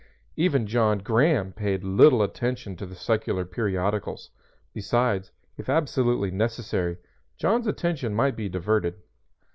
Even John Graham paid little attention to the secular periodicals; besides, if absolutely necessary, John's attention might be diverted.